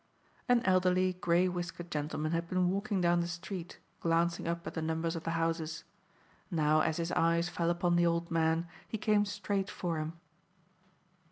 An elderly, grey whiskered gentleman had been walking down the street, glancing up at the numbers of the houses. Now as his eyes fell upon the old man, he came straight for him.